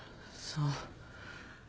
そう。